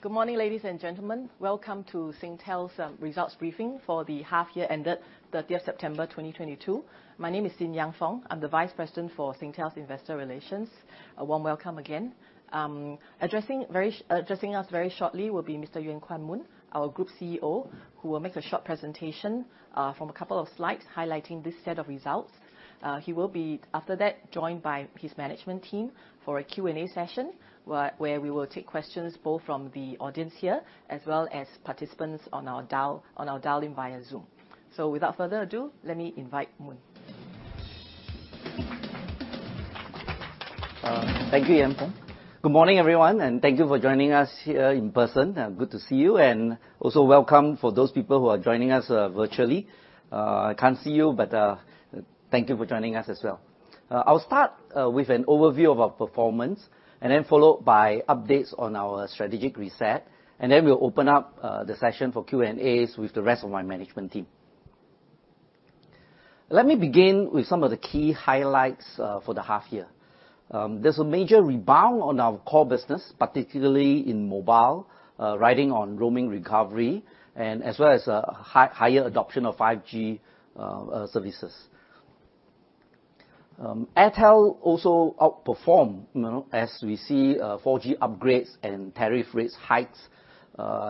Good morning, ladies and gentlemen. Welcome to Singtel's results briefing for the half year ended 30th September 2022. My name is Sin Yang Fong. I'm the Vice President for Singtel's Investor Relations. A warm welcome again. Addressing us very shortly will be Mr. Yuen Kuan Moon, our Group CEO, who will make a short presentation from a couple of slides highlighting this set of results. He will be, after that, joined by his management team for a Q&A session where we will take questions both from the audience here as well as participants on our dial-in via Zoom. Without further ado, let me invite Mun. Thank you, Yang Fong. Good morning, everyone, and thank you for joining us here in person. Good to see you, and also welcome for those people who are joining us virtually. I can't see you, but thank you for joining us as well. I'll start with an overview of our performance, and then followed by updates on our strategic reset, and then we'll open up the session for Q&As with the rest of my management team. Let me begin with some of the key highlights for the half year. There's a major rebound on our core business, particularly in mobile, riding on roaming recovery and as well as a higher adoption of 5G services. Airtel also outperformed, you know, as we see, 4G upgrades and tariff rate hikes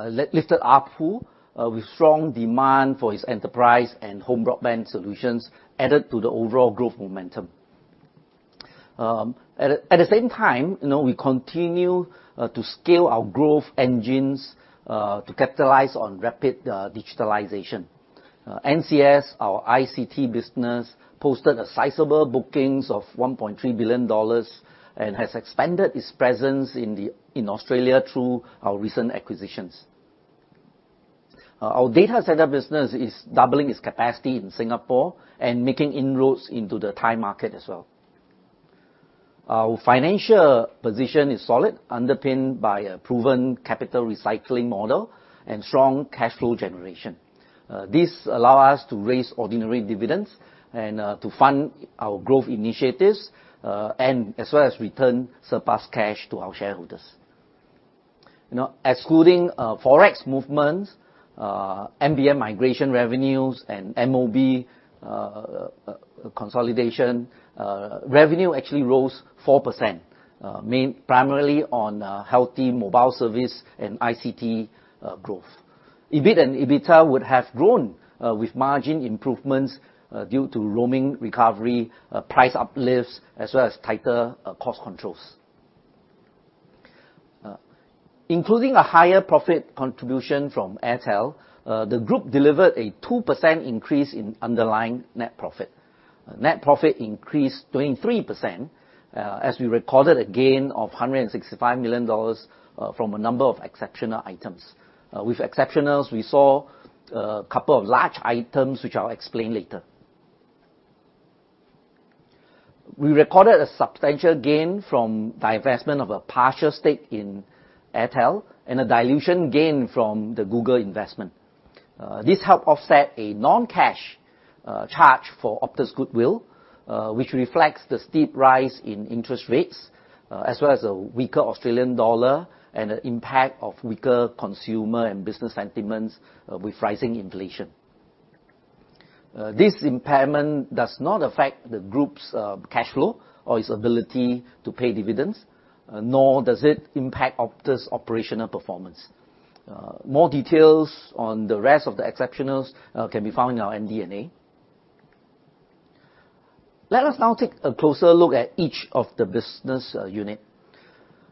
lifted ARPU, with strong demand for its enterprise and home broadband solutions added to the overall growth momentum. At the same time, you know, we continue to scale our growth engines to capitalize on rapid digitalization. NCS, our ICT business, posted sizable bookings of 1.3 billion dollars and has expanded its presence in Australia through our recent acquisitions. Our data center business is doubling its capacity in Singapore and making inroads into the Thai market as well. Our financial position is solid, underpinned by a proven capital recycling model and strong cash flow generation. This allow us to raise ordinary dividends and to fund our growth initiatives and as well as return surplus cash to our shareholders. Now, excluding Forex movements, NBN migration revenues and MOB consolidation, revenue actually rose 4%, primarily on healthy mobile service and ICT growth. EBIT and EBITDA would have grown with margin improvements due to roaming recovery, price uplifts, as well as tighter cost controls. Including a higher profit contribution from Airtel, the group delivered a 2% increase in underlying net profit. Net profit increased 23%, as we recorded a gain of 165 million dollars from a number of exceptional items. With exceptionals, we saw a couple of large items which I'll explain later. We recorded a substantial gain from divestment of a partial stake in Airtel and a dilution gain from the Google investment. This helped offset a non-cash charge for Optus goodwill, which reflects the steep rise in interest rates, as well as a weaker Australian dollar and the impact of weaker consumer and business sentiments with rising inflation. This impairment does not affect the group's cash flow or its ability to pay dividends, nor does it impact Optus' operational performance. More details on the rest of the exceptionals can be found in our MD&A. Let us now take a closer look at each of the business unit.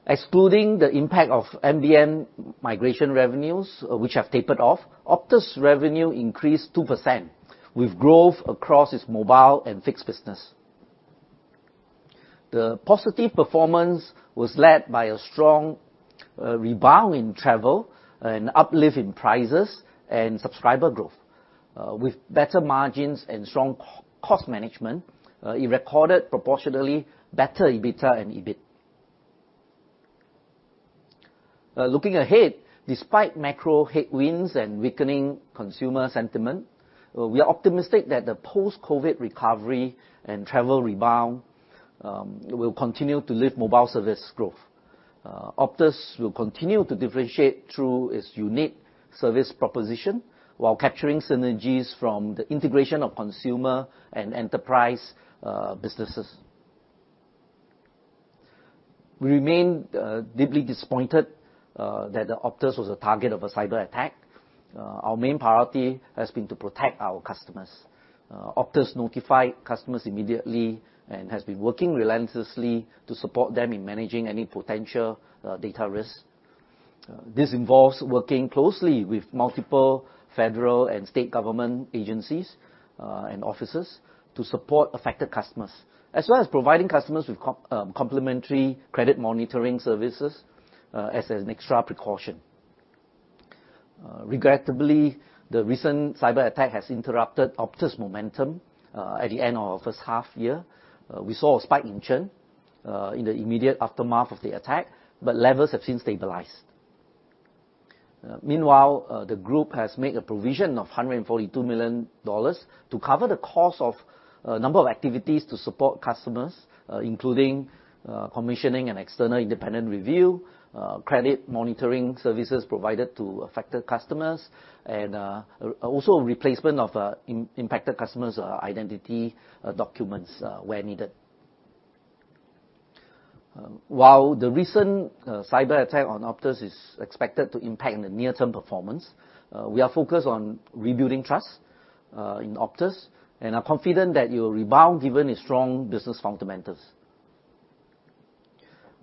Excluding the impact of NBN migration revenues, which have tapered off, Optus revenue increased 2% with growth across its mobile and fixed business. The positive performance was led by a strong rebound in travel, an uplift in prices, and subscriber growth. With better margins and strong cost management, it recorded proportionally better EBITDA and EBIT. Looking ahead, despite macro headwinds and weakening consumer sentiment, we are optimistic that the post-COVID recovery and travel rebound will continue to lift mobile service growth. Optus will continue to differentiate through its unique service proposition while capturing synergies from the integration of consumer and enterprise businesses. We remain deeply disappointed that Optus was a target of a cyberattack. Our main priority has been to protect our customers. Optus notified customers immediately and has been working relentlessly to support them in managing any potential data risk. This involves working closely with multiple federal and state government agencies and offices to support affected customers, as well as providing customers with complimentary credit monitoring services as an extra precaution. Regrettably, the recent cyberattack has interrupted Optus' momentum, at the end of our first half year. We saw a spike in churn, in the immediate aftermath of the attack, but levels have since stabilized. Meanwhile, the group has made a provision of AUD 142 million to cover the cost of a number of activities to support customers, including, commissioning an external independent review, credit monitoring services provided to affected customers, and, also replacement of, impacted customers' identity documents, where needed. While the recent, cyberattack on Optus is expected to impact the near-term performance, we are focused on rebuilding trust, in Optus and are confident that it will rebound given its strong business fundamentals.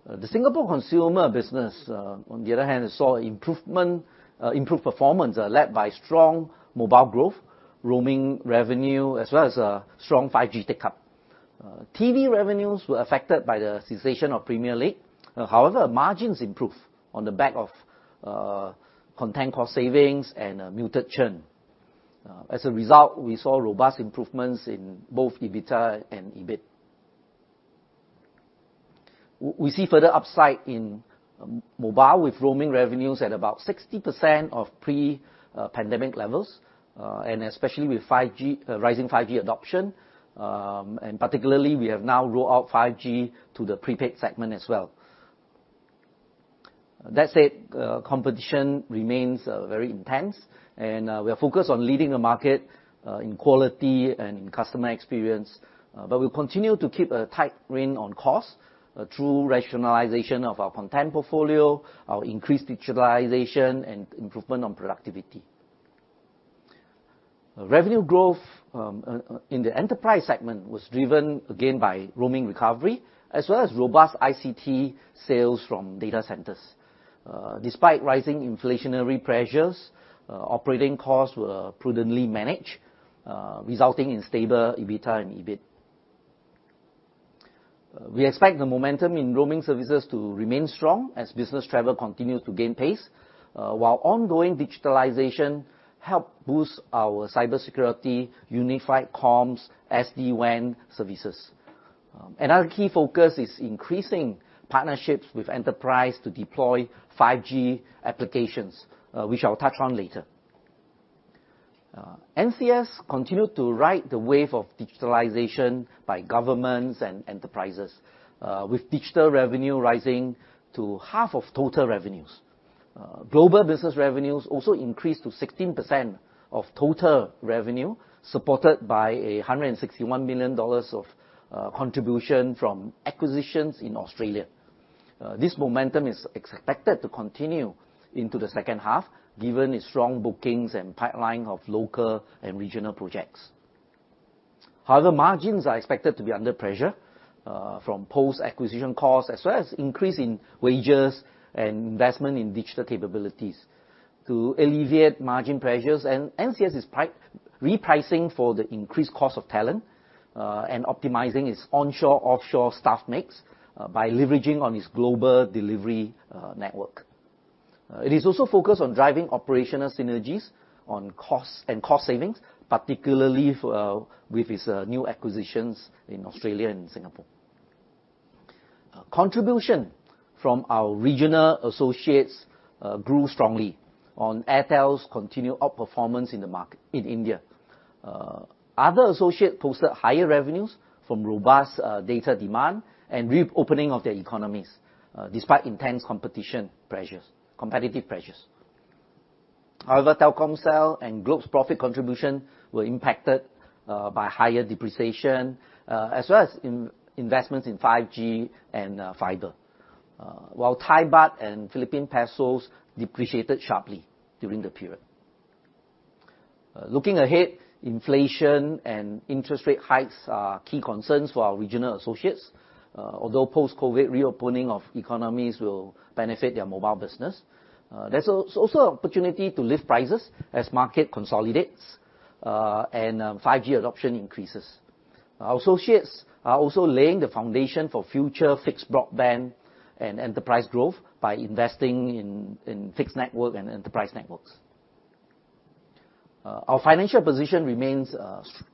The Singapore consumer business, on the other hand, saw improved performance, led by strong mobile growth, roaming revenue, as well as a strong 5G take-up. TV revenues were affected by the cessation of Premier League. However, margins improved on the back of content cost savings and a muted churn. As a result, we saw robust improvements in both EBITDA and EBIT. We see further upside in mobile with roaming revenues at about 60% of pre-pandemic levels, and especially with 5G, rising 5G adoption, and particularly we have now rolled out 5G to the prepaid segment as well. That said, competition remains very intense and we are focused on leading the market in quality and in customer experience, but we'll continue to keep a tight rein on costs through rationalization of our content portfolio, our increased digitalization, and improvement on productivity. Revenue growth in the enterprise segment was driven again by roaming recovery as well as robust ICT sales from data centers. Despite rising inflationary pressures, operating costs were prudently managed, resulting in stable EBITDA and EBIT. We expect the momentum in roaming services to remain strong as business travel continues to gain pace, while ongoing digitalization help boost our cybersecurity, unified comms, SD-WAN services. Another key focus is increasing partnerships with enterprise to deploy 5G applications, which I'll touch on later. NCS continued to ride the wave of digitalization by governments and enterprises, with digital revenue rising to half of total revenues. Global business revenues also increased to 16% of total revenue, supported by 161 million dollars of contribution from acquisitions in Australia. This momentum is expected to continue into the second half given its strong bookings and pipeline of local and regional projects. However, margins are expected to be under pressure from post-acquisition costs as well as increase in wages and investment in digital capabilities. To alleviate margin pressures, NCS is repricing for the increased cost of talent, and optimizing its onshore, offshore staff mix, by leveraging on its global delivery network. It is also focused on driving operational synergies on costs and cost savings, particularly with its new acquisitions in Australia and Singapore. Contribution from our regional associates grew strongly on Airtel's continued outperformance in the market in India. Other associates posted higher revenues from robust data demand and reopening of their economies despite intense competitive pressures. However, Telkomsel and Globe's profit contribution were impacted by higher depreciation as well as investments in 5G and fiber while Thai baht and Philippine pesos depreciated sharply during the period. Looking ahead, inflation and interest rate hikes are key concerns for our regional associates although post-COVID reopening of economies will benefit their mobile business. There's also an opportunity to lift prices as market consolidates and 5G adoption increases. Our associates are also laying the foundation for future fixed broadband and enterprise growth by investing in fixed network and enterprise networks. Our financial position remains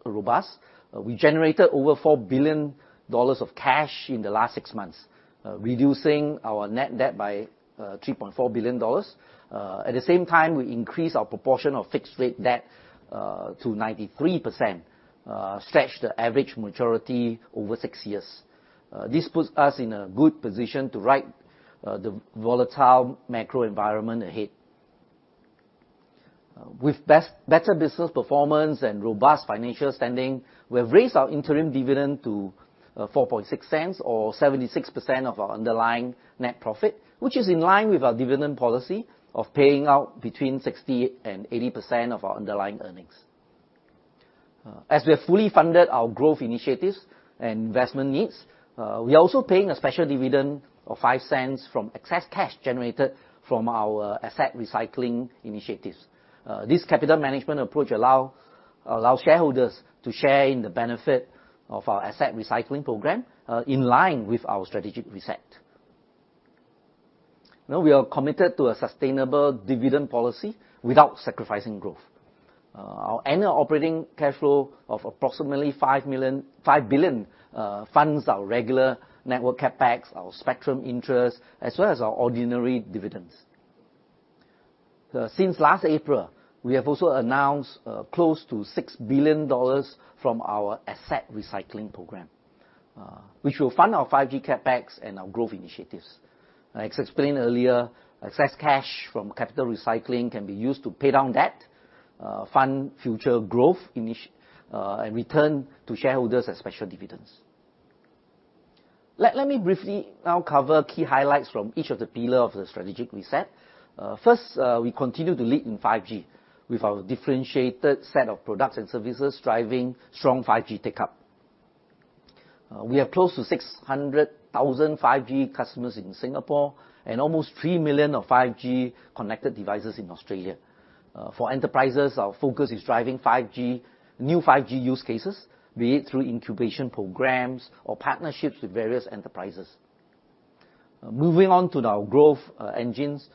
robust. We generated over 4 billion dollars of cash in the last six months, reducing our net debt by 3.4 billion dollars. At the same time, we increased our proportion of fixed rate debt to 93%, stretched the average maturity over six years. This puts us in a good position to ride the volatile macro environment ahead. With better business performance and robust financial standing, we have raised our interim dividend to 0.046 or 76% of our underlying net profit, which is in line with our dividend policy of paying out between 60% and 80% of our underlying earnings. As we have fully funded our growth initiatives and investment needs, we are also paying a special dividend of 0.05 from excess cash generated from our asset recycling initiatives. This capital management approach allows shareholders to share in the benefit of our asset recycling program, in line with our strategic reset. Now we are committed to a sustainable dividend policy without sacrificing growth. Our annual operating cash flow of approximately 5 billion funds our regular network CapEx, our spectrum interest, as well as our ordinary dividends. Since last April, we have also announced close to 6 billion dollars from our asset recycling program, which will fund our 5G CapEx and our growth initiatives. As explained earlier, excess cash from capital recycling can be used to pay down debt, fund future growth initiatives and return to shareholders as special dividends. Let me briefly now cover key highlights from each of the pillar of the strategic reset. First, we continue to lead in 5G with our differentiated set of products and services driving strong 5G take-up. We have close to 600,000 5G customers in Singapore, and almost three million 5G-connected devices in Australia. For enterprises, our focus is driving 5G, new 5G use cases, be it through incubation programs or partnerships with various enterprises. Moving on to our growth engines,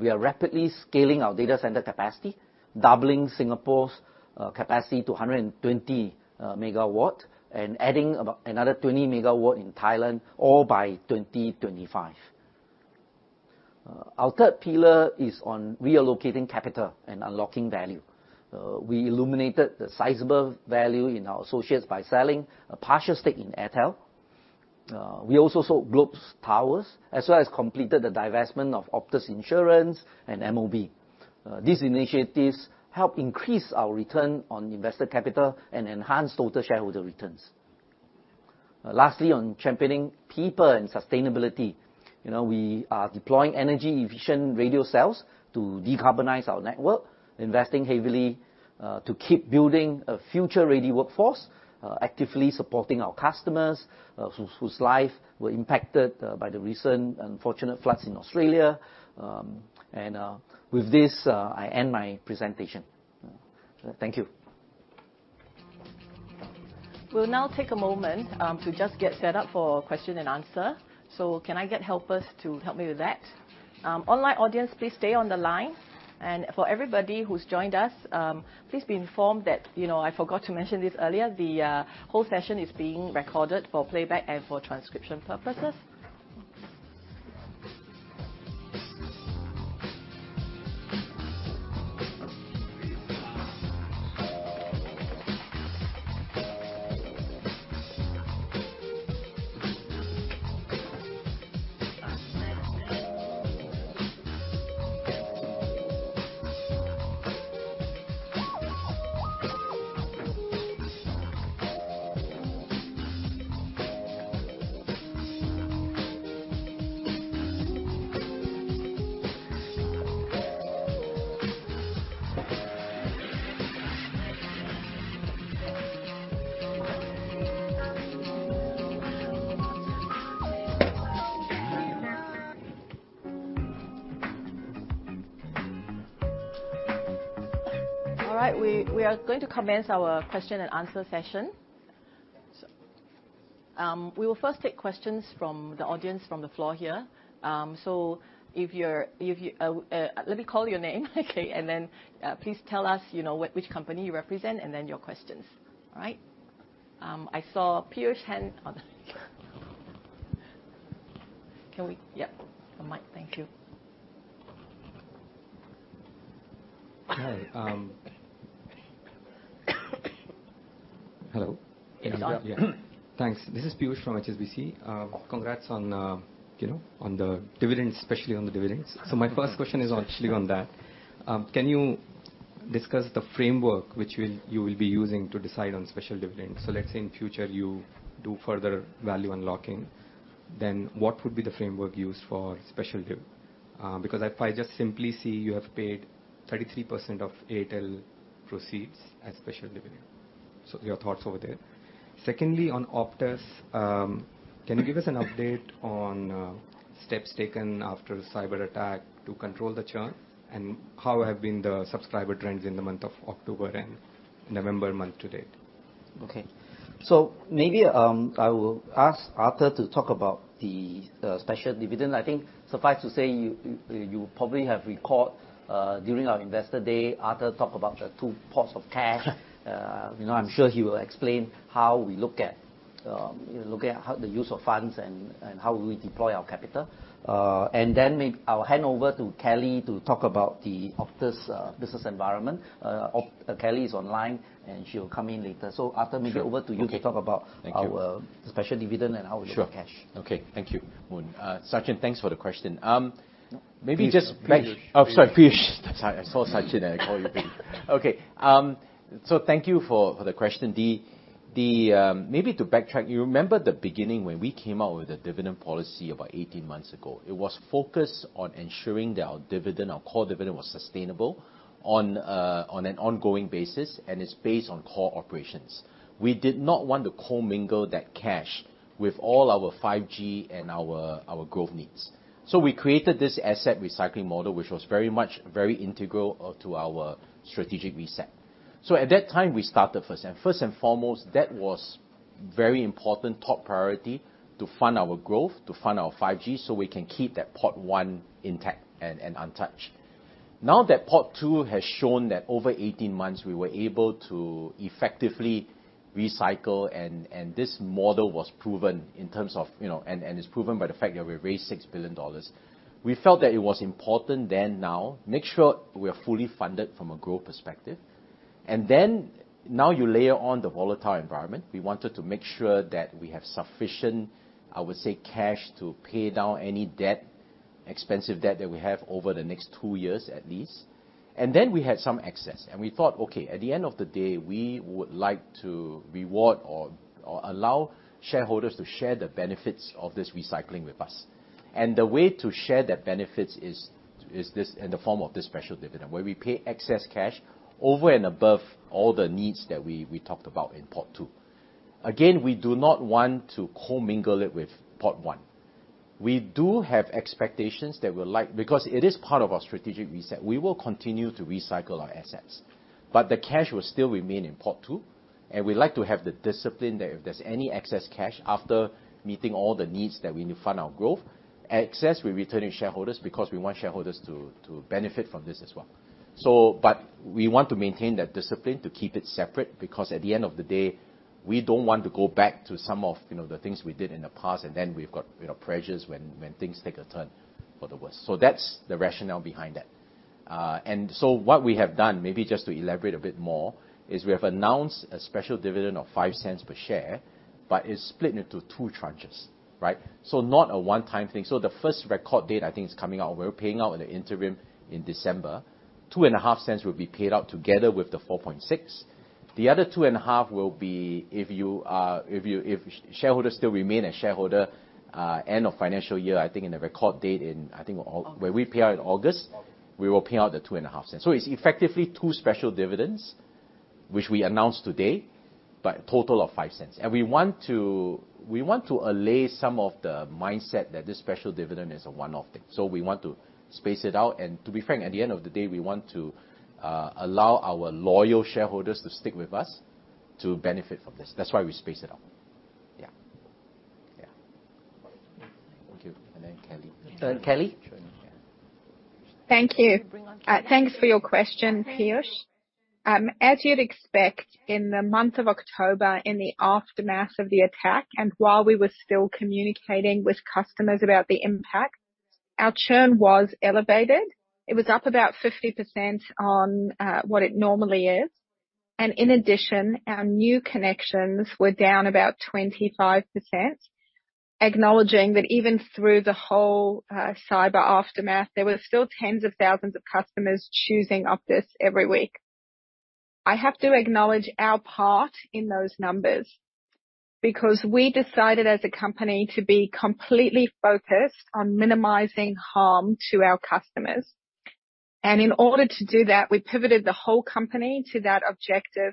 we are rapidly scaling our data center capacity, doubling Singapore's capacity to 120 MW and adding about another 20 MW in Thailand, all by 2025. Our third pillar is on reallocating capital and unlocking value. We illustrated the sizable value in our associates by selling a partial stake in Airtel. We also sold Globe Telecom's towers, as well as completed the divestment of Optus Insurance and Amobee. These initiatives help increase our return on invested capital and enhance total shareholder returns. Lastly, on championing people and sustainability, you know, we are deploying energy-efficient radio cells to decarbonize our network, investing heavily to keep building a future-ready workforce, actively supporting our customers whose lives were impacted by the recent unfortunate floods in Australia. With this, I end my presentation. Thank you. We'll now take a moment to just get set up for question and answer. Can I get helpers to help me with that? Online audience, please stay on the line. For everybody who's joined us, please be informed that, you know, I forgot to mention this earlier, the whole session is being recorded for playback and for transcription purposes. All right. We are going to commence our question and answer session. We will first take questions from the audience from the floor here. Let me call your name, okay? Then please tell us, you know, which company you represent and then your questions. All right? I saw Piyush's hand. The mic. Thank you. Hi. Hello. It is on. Yeah. Thanks. This is Piyush from HSBC. Congrats on, you know, on the dividends, especially on the dividends. My first question is actually on that. Can you discuss the framework you will be using to decide on special dividends? Let's say in future you do further value unlocking, then what would be the framework used for special div? Because if I just simply see you have paid 33% of Bharti Airtel proceeds as special dividend. Your thoughts over there. Secondly, on Optus, can you give us an update on steps taken after the cyberattack to control the churn, and how have been the subscriber trends in the month of October and November month to date? Okay. Maybe I will ask Arthur to talk about the special dividend. I think suffice to say, you probably have recalled during our Investor Day, Arthur talked about the two pots of cash. You know, I'm sure he will explain how we look at how the use of funds and how we deploy our capital. Then I'll hand over to Kelly to talk about the Optus business environment. Kelly is online, and she will come in later. Arthur. Sure. Maybe over to you to talk about. Thank you. Our special dividend and how we look at cash. Sure. Okay. Thank you, Moon. Sachin, thanks for the question. Maybe just back- Piyush. Oh, sorry. Piyush. Sorry, I saw Sachin, and I called you Piyush. Okay. Thank you for the question. Maybe to backtrack, you remember the beginning when we came out with the dividend policy about 18 months ago, it was focused on ensuring that our dividend, our core dividend, was sustainable on an ongoing basis, and it's based on core operations. We did not want to co-mingle that cash with all our 5G and our growth needs. We created this asset recycling model, which was very integral to our strategic reset. At that time, we started first. First and foremost, that was very important top priority to fund our growth, to fund our 5G, so we can keep that part one intact and untouched. Now that part two has shown that over 18 months we were able to effectively recycle and this model was proven in terms of, you know, and it's proven by the fact that we raised $6 billion. We felt that it was important then, now, make sure we are fully funded from a growth perspective. Then now you layer on the volatile environment. We wanted to make sure that we have sufficient, I would say, cash to pay down any debt, expensive debt that we have over the next two years at least. Then we had some excess and we thought, okay, at the end of the day, we would like to reward or allow shareholders to share the benefits of this recycling with us. The way to share the benefits is this in the form of this special dividend, where we pay excess cash over and above all the needs that we talked about in part two. Again, we do not want to co-mingle it with part one. We do have expectations that we'll like because it is part of our strategic reset, we will continue to recycle our assets, but the cash will still remain in part two, and we like to have the discipline that if there's any excess cash after meeting all the needs that we need to fund our growth, excess, we return to shareholders because we want shareholders to benefit from this as well. We want to maintain that discipline to keep it separate because at the end of the day, we don't want to go back to some of, you know, the things we did in the past, and then we've got, you know, pressures when things take a turn for the worst. That's the rationale behind that. What we have done, maybe just to elaborate a bit more, is we have announced a special dividend of 0.05 per share, but it's split into two tranches, right? Not a one-time thing. The first record date, I think is coming out. We're paying out in the interim in December. 0.025 will be paid out together with the 0.046. The other 2.5 will be if shareholders still remain a shareholder, end of financial year, I think, on the record date in, I think Au- August. Where we pay out in August. August. We will pay out 0.025. It's effectively two special dividends which we announced today, but total of 0.05. We want to allay some of the mindset that this special dividend is a one-off thing. We want to space it out. To be frank, at the end of the day, we want to allow our loyal shareholders to stick with us to benefit from this. That's why we space it out. Yeah. Yeah. Thank you. Kelly. Kelly. Kelly. Thank you. Thanks for your question, Piyush. As you'd expect in the month of October, in the aftermath of the attack, and while we were still communicating with customers about the impact, our churn was elevated. It was up about 50% on what it normally is. In addition, our new connections were down about 25%, acknowledging that even through the whole cyber aftermath, there were still tens of thousands of customers choosing Optus every week. I have to acknowledge our part in those numbers, because we decided as a company to be completely focused on minimizing harm to our customers. In order to do that, we pivoted the whole company to that objective,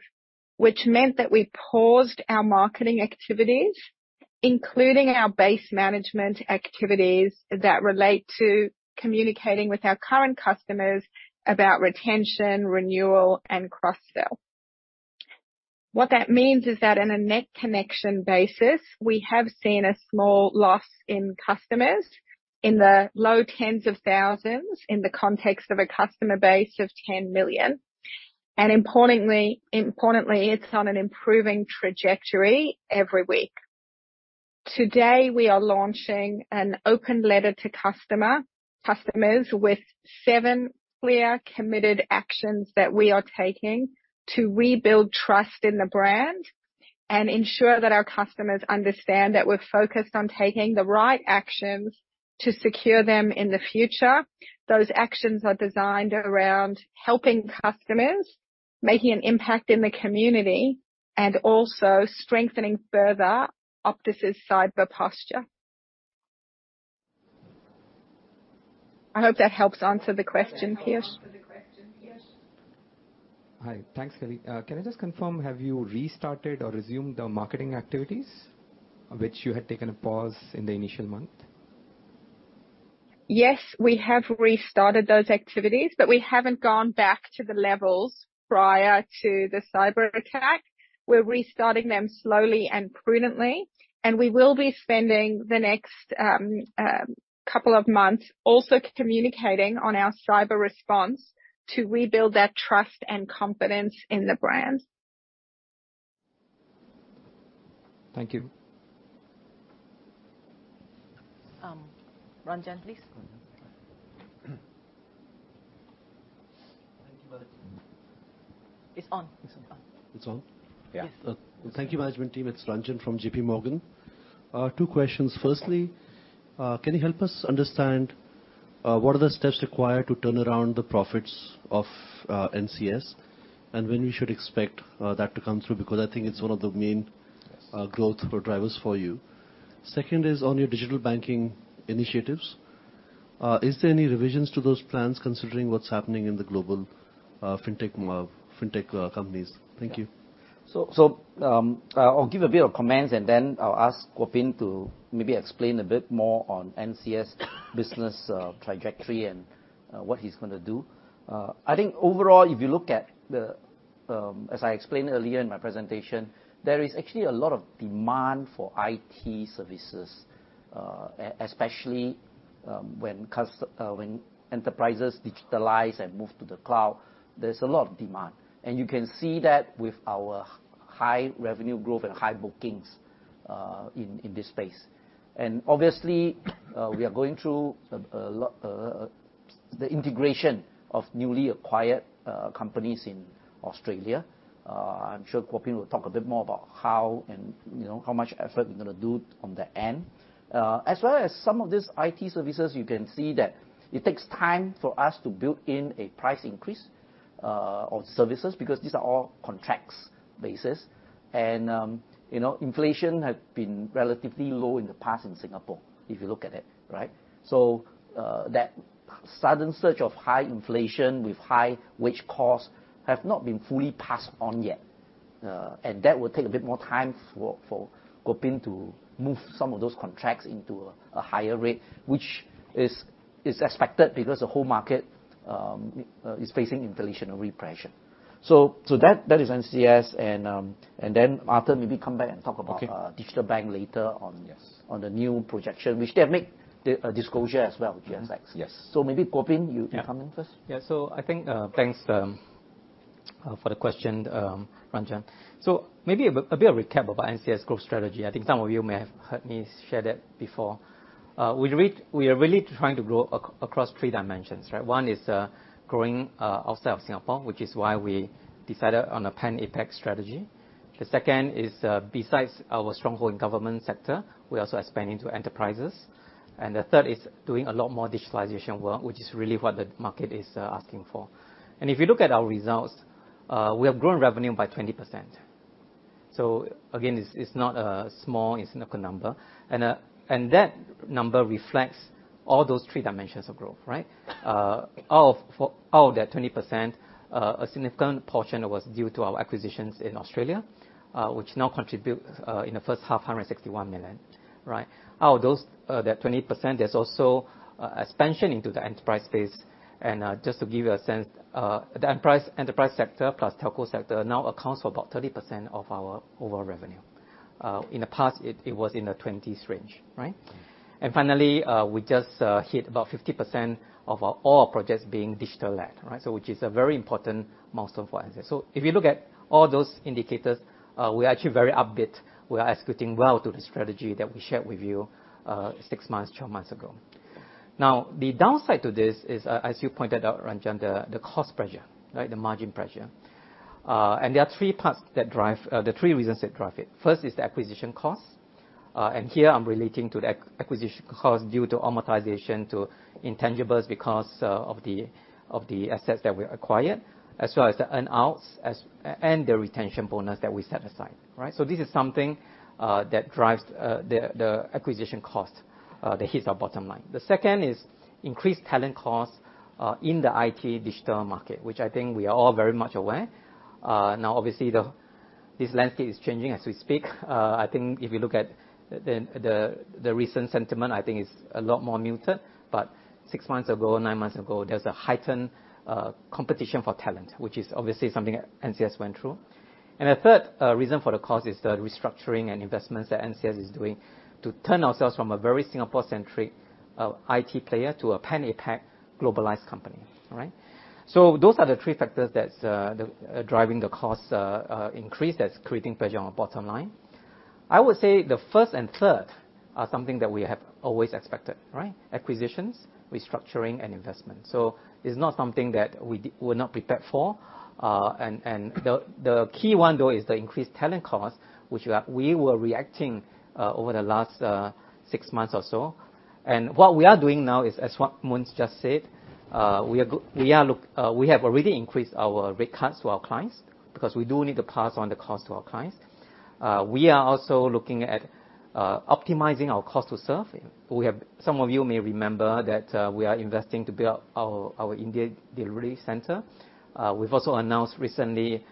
which meant that we paused our marketing activities, including our base management activities that relate to communicating with our current customers about retention, renewal, and cross-sell. What that means is that in a net connection basis, we have seen a small loss in customers in the low tens of thousands in the context of a customer base of 10 million. Importantly, it's on an improving trajectory every week. Today, we are launching an open letter to customers with seven clear, committed actions that we are taking to rebuild trust in the brand and ensure that our customers understand that we're focused on taking the right actions to secure them in the future. Those actions are designed around helping customers, making an impact in the community, and also strengthening further Optus' cyber posture. I hope that helps answer the question, Piyush. Hi. Thanks, Kelly. Can I just confirm, have you restarted or resumed the marketing activities which you had taken a pause in the initial month? Yes, we have restarted those activities, but we haven't gone back to the levels prior to the cyberattack. We're restarting them slowly and prudently, and we will be spending the next couple of months also communicating on our cyber response to rebuild that trust and confidence in the brand. Thank you. Ranjan, please. Thank you. It's on. It's on? Yeah. Thank you, management team. It's Ranjan from J.P. Morgan. Two questions. Firstly, can you help us understand what are the steps required to turn around the profits of NCS, and when we should expect that to come through? Because I think it's one of the main- Growth drivers for you. Second is on your digital banking initiatives. Is there any revisions to those plans considering what's happening in the global fintech companies? Thank you. I'll give a bit of comments and then I'll ask Ng Kuo Pin to maybe explain a bit more on NCS business, trajectory and what he's gonna do. I think overall, if you look at the As I explained earlier in my presentation, there is actually a lot of demand for IT services, especially when enterprises digitalize and move to the cloud, there's a lot of demand. You can see that with our high revenue growth and high bookings in this space. Obviously, we are going through the integration of newly acquired companies in Australia. I'm sure Ng Kuo Pin will talk a bit more about how and, you know, how much effort we're gonna do on the end. As well as some of these IT services, you can see that it takes time for us to build in a price increase on services because these are all contracts basis. You know, inflation has been relatively low in the past in Singapore, if you look at it, right? That sudden surge of high inflation with high wage costs have not been fully passed on yet. That will take a bit more time for Ng Kuo Pin to move some of those contracts into a higher rate, which is expected because the whole market is facing inflation pressure. That is NCS and then after maybe come back and talk about- Okay digital bank later on. Yes on the new projection, which they have made a disclosure as well with GXS. Yes. Maybe, Ng Kuo Pin, you can come in first. Yeah. Yeah. I think thanks for the question, Ranjan. Maybe a bit of recap about NCS growth strategy. I think some of you may have heard me share that before. We are really trying to grow across three dimensions, right? One is growing outside of Singapore, which is why we decided on a Pan-APAC strategy. The second is, besides our stronghold government sector, we also are expanding to enterprises. The third is doing a lot more digitalization work, which is really what the market is asking for. If you look at our results, we have grown revenue by 20%. Again, it's not a small insignificant number. That number reflects all those three dimensions of growth, right? For all of that 20%, a significant portion was due to our acquisitions in Australia, which now contribute, in the first half, 161 million, right? Out of those, that 20%, there's also expansion into the enterprise space. Just to give you a sense, the enterprise sector plus telco sector now accounts for about 30% of our overall revenue. In the past, it was in the 20s range, right? Finally, we just hit about 50% of our overall projects being digital led, right? Which is a very important milestone for us. If you look at all those indicators, we're actually very upbeat. We are executing well to the strategy that we shared with you, six months, twelve months ago. Now, the downside to this is, as you pointed out, Ranjan, the cost pressure, right? The margin pressure. There are three reasons that drive it. First is the acquisition costs. Here, I'm relating to the acquisition costs due to amortization of intangibles because of the assets that we acquired, as well as the earn-outs and the retention bonus that we set aside, right? So this is something that drives the acquisition costs that hits our bottom line. The second is increased talent costs in the IT digital market, which I think we are all very much aware. Obviously, this landscape is changing as we speak. I think if you look at the recent sentiment, I think it's a lot more muted. Six months ago, nine months ago, there was a heightened competition for talent, which is obviously something that NCS went through. The third reason for the cost is the restructuring and investments that NCS is doing to turn ourselves from a very Singapore-centric IT player to a Pan-APAC globalized company, right? Those are the three factors that's the driving the cost increase, that's creating pressure on bottom line. I would say the first and third are something that we have always expected, right? Acquisitions, restructuring, and investment. It's not something that we did we're not prepared for. The key one though is the increased talent cost, which we were reacting over the last six months or so. What we are doing now is, as what Yuen Kuan Moon just said, we have already increased our rate cards to our clients because we do need to pass on the cost to our clients. We are also looking at optimizing our cost to serve. Some of you may remember that, we are investing to build our India delivery center. We've also announced recently,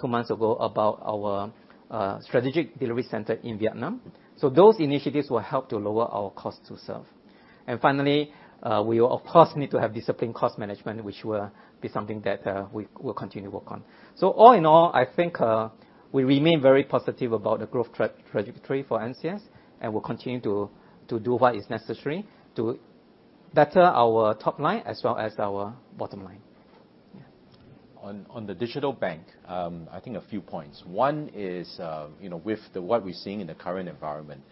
two months ago, about our strategic delivery center in Vietnam. Those initiatives will help to lower our cost to serve. Finally, we will of course need to have disciplined cost management, which will be something that we will continue to work on. All in all, I think we remain very positive about the growth trajectory for NCS, and we'll continue to do what is necessary to better our top line as well as our bottom line. Yeah. On the digital bank, I think a few points. One is, you know, with what we're seeing in the current environment,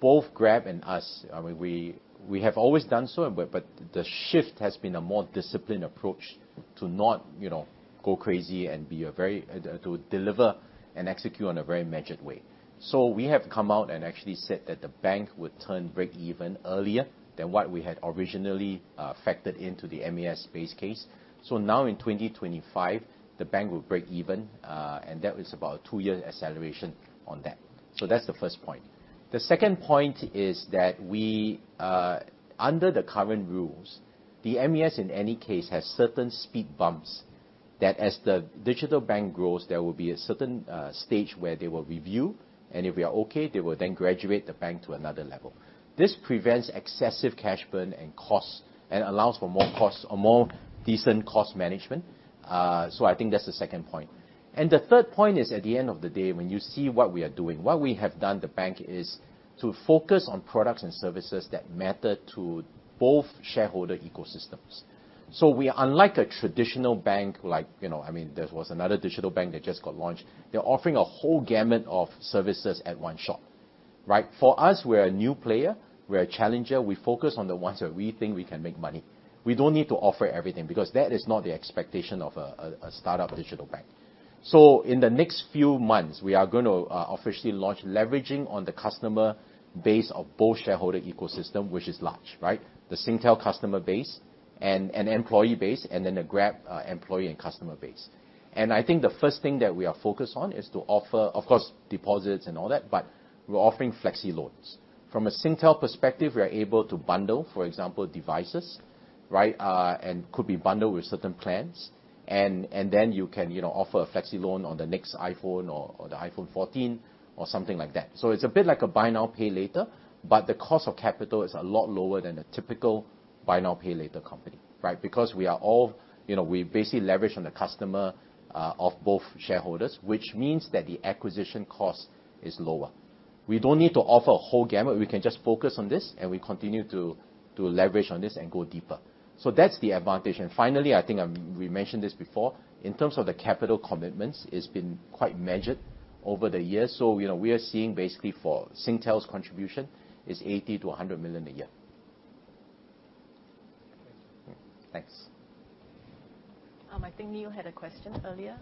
both Grab and us, I mean, we have always done so, but the shift has been a more disciplined approach to not, you know, go crazy and to deliver and execute on a very measured way. We have come out and actually said that the bank would turn breakeven earlier than what we had originally factored into the MAS base case. Now in 2025, the bank will break even, and that was about a two-year acceleration on that. That's the first point. The second point is that we, under the current rules, the MAS, in any case, has certain speed bumps. That as the digital bank grows, there will be a certain stage where they will review, and if we are okay, they will then graduate the bank to another level. This prevents excessive cash burn and costs, and allows for more costs or more decent cost management. I think that's the second point. The third point is at the end of the day, when you see what we are doing, what we have done at the bank is to focus on products and services that matter to both shareholder ecosystems. We are unlike a traditional bank, like, you know, I mean, there was another digital bank that just got launched. They're offering a whole gamut of services at one shop, right? For us, we're a new player. We're a challenger. We focus on the ones that we think we can make money. We don't need to offer everything because that is not the expectation of a startup digital bank. So in the next few months we are gonna officially launch leveraging on the customer base of both shareholder ecosystem, which is large, right? The Singtel customer base and employee base, and then the Grab employee and customer base. I think the first thing that we are focused on is to offer, of course, deposits and all that, but we're offering flexi-loans. From a Singtel perspective, we are able to bundle, for example, devices, right? And could be bundled with certain plans, and then you can, you know, offer a flexi-loan on the next iPhone or the iPhone 14 or something like that. It's a bit like a buy now, pay later, but the cost of capital is a lot lower than a typical buy now, pay later company, right? Because we are all, you know, we basically leverage on the customer of both shareholders, which means that the acquisition cost is lower. We don't need to offer a whole gamut. We can just focus on this, and we continue to leverage on this and go deeper. That's the advantage. And finally, I think we mentioned this before, in terms of the capital commitments, it's been quite measured over the years. You know, we are seeing basically for Singtel's contribution is 80 million-100 million a year. Yeah. Thanks. I think Neil had a question earlier.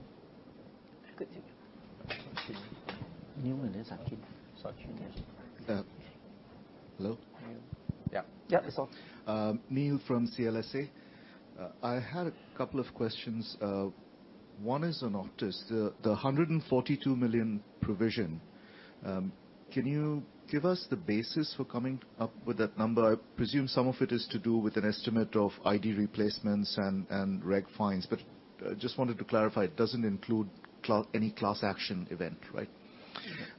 Good to you. Neil and then Sachin. Sachin, yes. Hello. Yeah. Yeah, that's all. Neil from CLSA. I had a couple of questions. One is on Optus. The 142 million provision, can you give us the basis for coming up with that number? I presume some of it is to do with an estimate of ID replacements and reg fines. Just wanted to clarify, it doesn't include any class action event, right?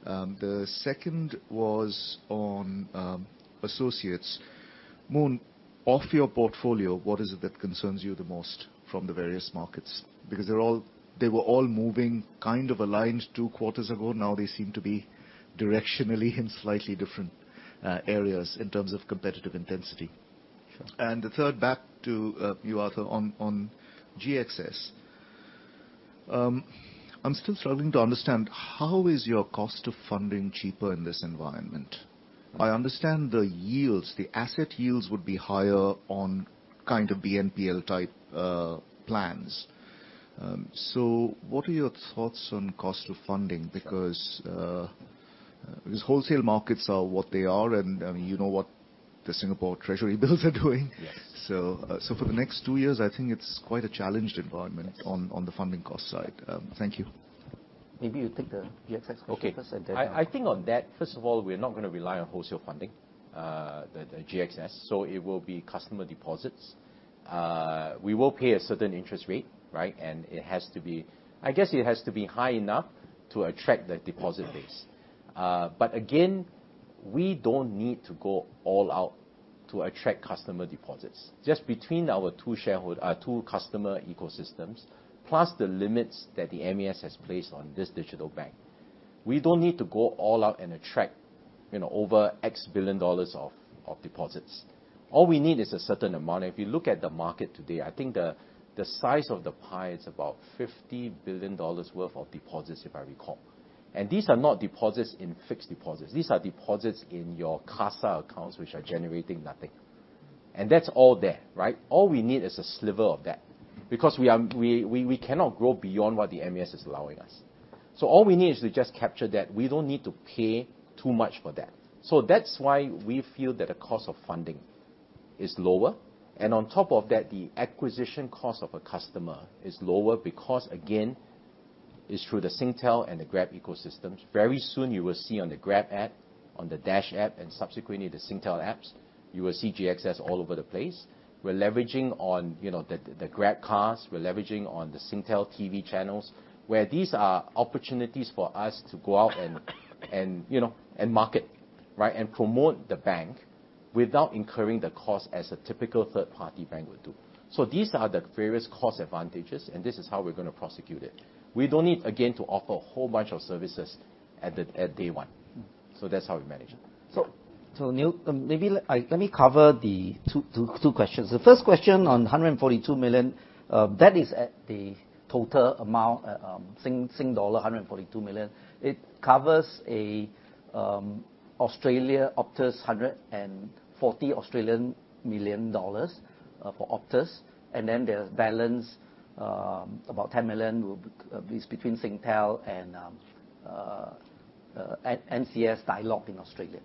The second was on associates. Moon, of your portfolio, what is it that concerns you the most from the various markets? Because they were all moving kind of aligned two quarters ago. Now they seem to be directionally in slightly different areas in terms of competitive intensity. Sure. The third, back to you, Arthur, on GXS. I'm still struggling to understand how is your cost of funding cheaper in this environment? I understand the yields, the asset yields would be higher on kind of BNPL-type plans. What are your thoughts on cost of funding? Sure. Because wholesale markets are what they are, and, I mean, you know what the Singapore Treasury bills are doing. Yes. For the next two years, I think it's quite a challenging environment. Yes on the funding cost side. Thank you. Maybe you take the GXS question first. Okay. I think on that, first of all, we're not gonna rely on wholesale funding, the GXS, so it will be customer deposits. We will pay a certain interest rate, right? It has to be high enough to attract the deposit base. Again, we don't need to go all out to attract customer deposits. Just between our two customer ecosystems, plus the limits that the MAS has placed on this digital bank, we don't need to go all out and attract, you know, over X billion dollars of deposits. All we need is a certain amount. If you look at the market today, I think the size of the pie is about 50 billion dollars worth of deposits, if I recall. These are not deposits in fixed deposits. These are deposits in your CASA accounts which are generating nothing. That's all there, right? All we need is a sliver of that, because we cannot grow beyond what the MAS is allowing us. All we need is to just capture that. We don't need to pay too much for that. That's why we feel that the cost of funding is lower. On top of that, the acquisition cost of a customer is lower because, again, it's through the Singtel and the Grab ecosystems. Very soon you will see on the Grab app, on the Dash app, and subsequently the Singtel apps, you will see GXS all over the place. We're leveraging on, you know, the Grab cars. We're leveraging on the Singtel TV channels, where these are opportunities for us to go out and, you know, and market, right? Promote the bank without incurring the cost as a typical third-party bank would do. These are the various cost advantages, and this is how we're gonna prosecute it. We don't need, again, to offer a whole bunch of services at day one. That's how we manage it. Neil, maybe let me cover the two questions. The first question on 142 million, that is the total amount, Singapore dollar 142 million. It covers Australian Optus 140 million dollars for Optus, and then there's the balance about 10 million between Singtel and NCS and The Dialog Group in Australia.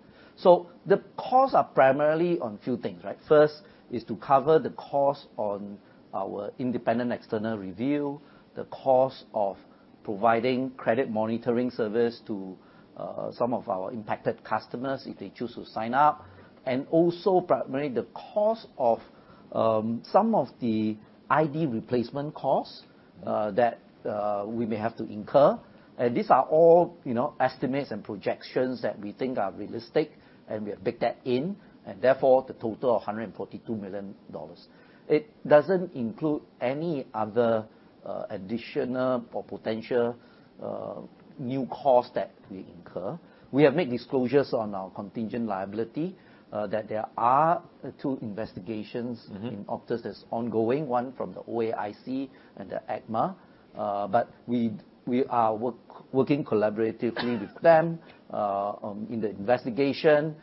The costs are primarily on few things, right? First is to cover the cost on our independent external review, the cost of. Providing credit monitoring service to some of our impacted customers if they choose to sign up. Also primarily the cost of some of the ID replacement costs that we may have to incur. These are all, you know, estimates and projections that we think are realistic, and we have baked that in, and therefore the total of 142 million dollars. It doesn't include any other additional or potential new costs that we incur. We have made disclosures on our contingent liability that there are two investigations. Mm-hmm In Optus that's ongoing, one from the OAIC and the ACMA. We are working collaboratively with them in the investigation.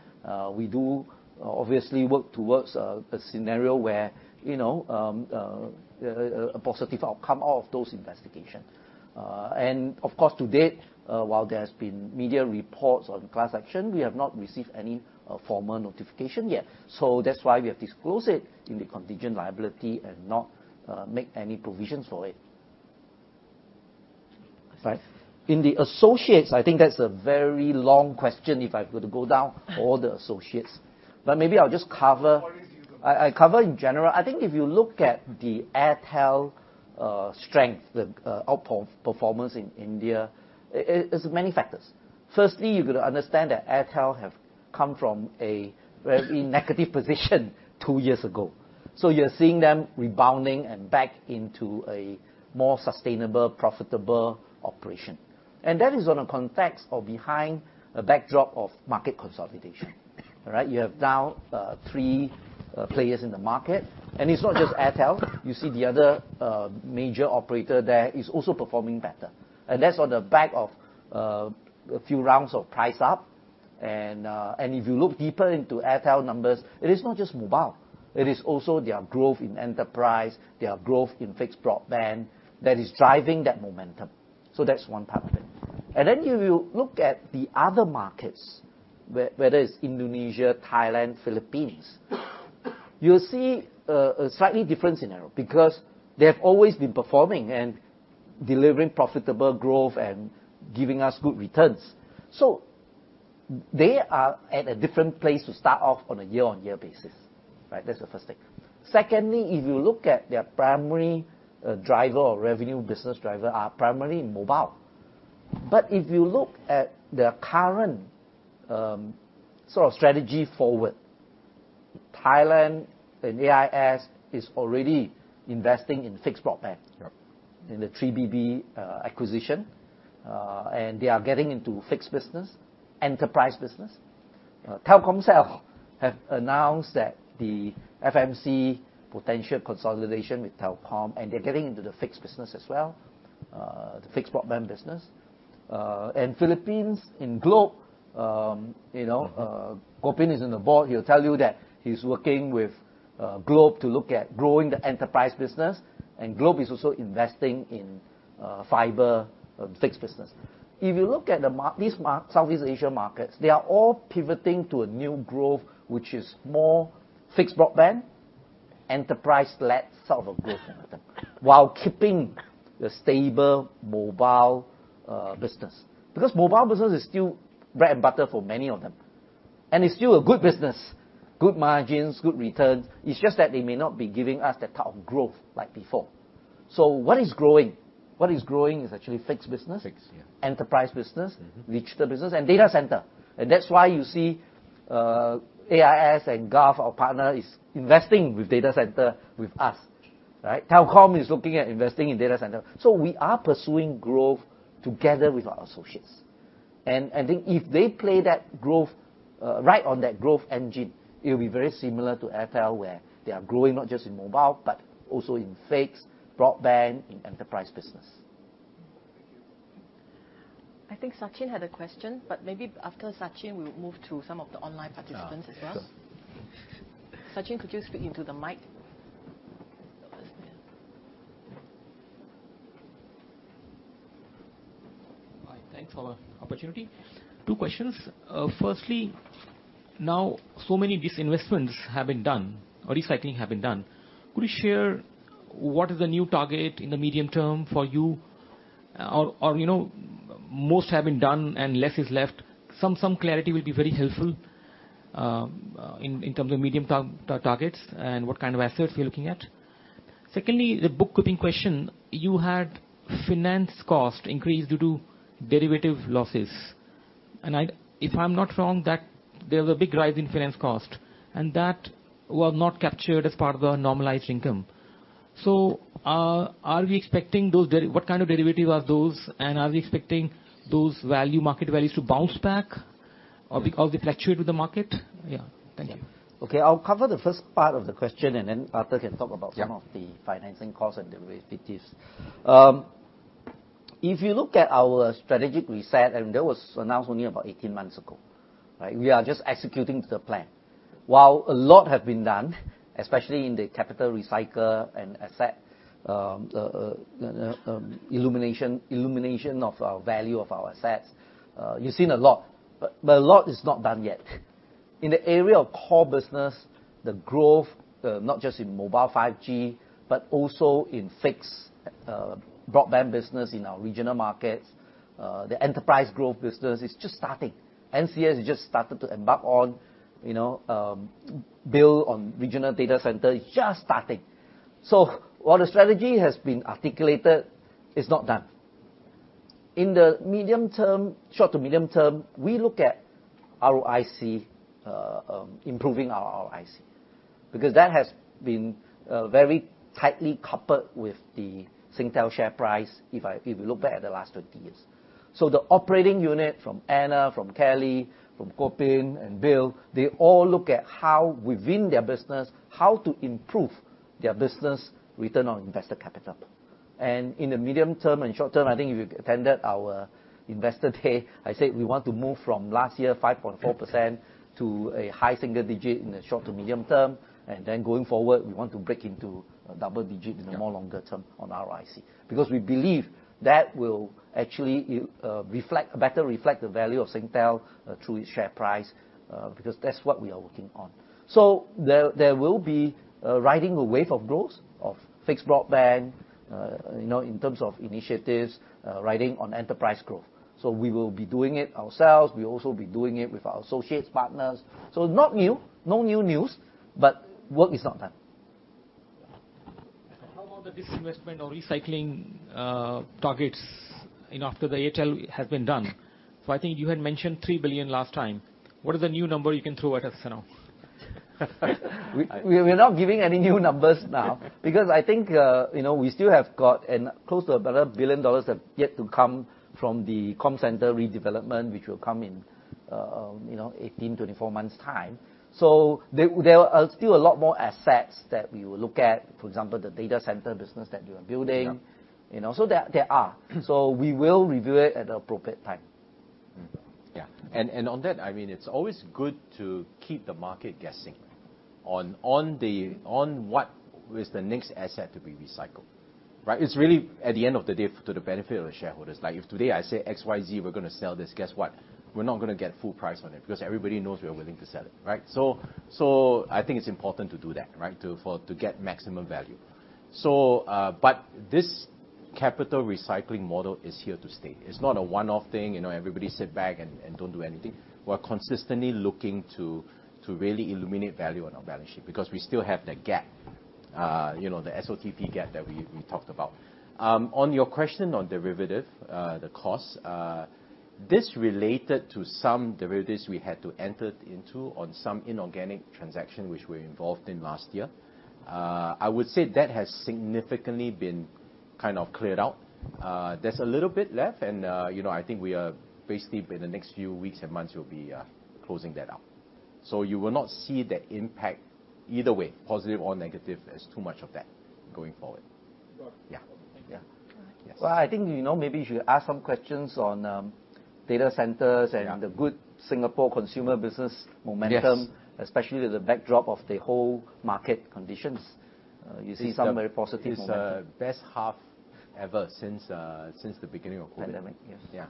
We do obviously work towards a scenario where, you know, a positive outcome out of those investigations. Of course, to date, while there has been media reports on class action, we have not received any formal notification yet. That's why we have disclosed it in the contingent liability and not make any provisions for it. Right. In the associates, I think that's a very long question if I were to go down all the associates. Maybe I'll just cover- Why don't you go- I cover in general. I think if you look at the Airtel strength, the outperformance in India, it's many factors. Firstly, you've got to understand that Airtel have come from a very negative position two years ago. You're seeing them rebounding and back into a more sustainable, profitable operation. That is in the context or behind a backdrop of market consolidation. All right? You have now three players in the market. It's not just Airtel. You see the other major operator there is also performing better. That's on the back of a few rounds of price up. If you look deeper into Airtel numbers, it is not just mobile. It is also their growth in enterprise, their growth in fixed broadband that is driving that momentum. That's one part of it. If you look at the other markets, whether it's Indonesia, Thailand, Philippines, you'll see a slightly different scenario because they have always been performing and delivering profitable growth and giving us good returns. They are at a different place to start off on a year-on-year basis, right? That's the first thing. Secondly, if you look at their primary driver or revenue business driver are primarily mobile. If you look at their current sort of strategy forward, Thailand and AIS is already investing in fixed broadband. Yep. In the 3BB acquisition. They are getting into fixed business, enterprise business. Telkomsel have announced that the FMC potential consolidation with Telkom, and they're getting into the fixed business as well, the fixed broadband business. Philippines in Globe, you know, Ng Kuo Pin is on the board, he'll tell you that he's working with Globe to look at growing the enterprise business. Globe is also investing in fiber fixed business. If you look at these Southeast Asia markets, they are all pivoting to a new growth, which is more fixed broadband, enterprise-led sort of a growth for them, while keeping the stable mobile business. Because mobile business is still bread and butter for many of them. It's still a good business, good margins, good returns. It's just that they may not be giving us that type of growth like before. What is growing? What is growing is actually fixed business. Fixed, yeah. Enterprise business. Mm-hmm. Digital business and data centers. That's why you see AIS and Gulf, our partner, investing in data centers with us, right? Telkom is looking at investing in data centers. We are pursuing growth together with our associates. I think if they play that growth right on that growth engine, it'll be very similar to Airtel, where they are growing not just in mobile, but also in fixed broadband, in enterprise business. Thank you. I think Sachin had a question, but maybe after Sachin, we'll move to some of the online participants as well. Sure. Sachin, could you speak into the mic? Hi. Thanks for the opportunity. Two questions. Firstly, now so many disinvestments have been done or recycling have been done. Could you share what is the new target in the medium term for you? Or, you know, most have been done and less is left. Some clarity will be very helpful, in terms of medium targets and what kind of assets you're looking at. Secondly, the bookkeeping question, you had finance cost increased due to derivative losses. If I'm not wrong, there was a big rise in finance cost, and that was not captured as part of the normalized income. So are we expecting those? What kind of derivatives are those? And are we expecting those value, market values to bounce back or they fluctuate with the market? Yeah. Thank you. Okay. I'll cover the first part of the question, and then Arthur can talk about. Yeah Some of the financing costs and derivatives. If you look at our strategic reset, and that was announced only about 18 months ago, right? We are just executing the plan. While a lot have been done, especially in the capital recycle and asset illumination of our value of our assets, you've seen a lot, but a lot is not done yet. In the area of core business, the growth, not just in mobile 5G, but also in fixed broadband business in our regional markets, the enterprise growth business is just starting. NCS has just started to embark on, you know, build on regional data center, just starting. While the strategy has been articulated, it's not done. In the medium term, short to medium term, we look at ROIC, improving our ROIC, because that has been very tightly coupled with the Singtel share price if you look back at the last 20 years. The operating unit from Anna, from Kelly, from Arthur Lang and Bill, they all look at how within their business, how to improve their business return on invested capital. In the medium term and short term, I think if you attended our Investor Day, I said, we want to move from last year 5.4% to a high single digit in the short to medium term. Going forward, we want to break into double digits. Yeah. In the longer term on ROIC. Because we believe that will actually better reflect the value of Singtel through its share price because that's what we are working on. There will be riding the wave of growth of fixed broadband, you know, in terms of initiatives, riding on enterprise growth. We will be doing it ourselves. We'll also be doing it with our associates partners. Not new, no new news, but work is not done. How about the disinvestment or recycling targets, you know, after the ATL has been done? I think you had mentioned 3 billion last time. What is the new number you can throw at us now? We're not giving any new numbers now because I think, you know, we still have got close to 1 billion dollars have yet to come from the Comcentre redevelopment, which will come in, you know, 18 to 24 months' time. There are still a lot more assets that we will look at, for example, the data center business that you are building. Yeah. You know, there are. We will review it at the appropriate time. Mm-hmm. Yeah. On that, I mean, it's always good to keep the market guessing on what is the next asset to be recycled, right? It's really at the end of the day to the benefit of the shareholders. Like, if today I say X, Y, Z, we're gonna sell this, guess what? We're not gonna get full price on it because everybody knows we are willing to sell it, right? I think it's important to do that, right? To get maximum value. But this capital recycling model is here to stay. It's not a one-off thing, you know, everybody sit back and don't do anything. We're consistently looking to really illuminate value on our balance sheet because we still have that gap, you know, the SOTP gap that we talked about. On your question on derivatives, the costs, this related to some derivatives we had to enter into on some inorganic transaction which we're involved in last year. I would say that has significantly been kind of cleared out. There's a little bit left and, you know, I think we are basically in the next few weeks and months, we'll be closing that out. You will not see the impact either way, positive or negative, or too much of that going forward. Got it. Yeah. Thank you. Yeah. Yes. Well, I think, you know, maybe you should ask some questions on data centers. Yeah. the good Singapore consumer business momentum. Yes. Especially with the backdrop of the whole market conditions. You see some very positive momentum. It's the best half ever since the beginning of COVID. Pandemic. Yes. Yeah.